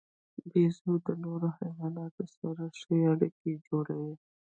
بیزو د نورو حیواناتو سره ښې اړیکې جوړوي.